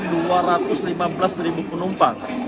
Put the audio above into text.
sekitar dua ratus lima belas penumpang